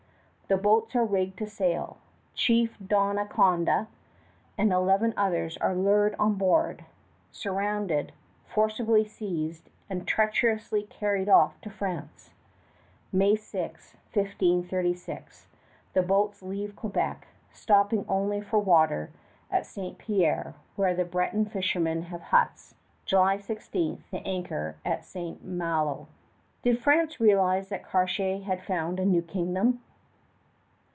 The boats are rigged to sail, Chief Donnacona and eleven others are lured on board, surrounded, forcibly seized, and treacherously carried off to France. May 6, 1536, the boats leave Quebec, stopping only for water at St. Pierre, where the Breton fishermen have huts. July 16 they anchor at St. Malo. Did France realize that Cartier had found a new kingdom?